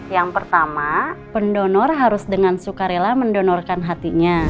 yang pertama pendonor harus dengan suka rela mendonorkan hatinya